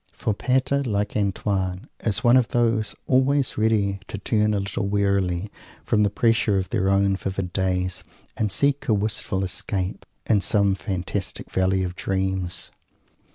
For Pater, like Antoine, is one of those always ready to turn a little wearily from the pressure of their own too vivid days, and seek a wistful escape in some fantastic valley of dreams.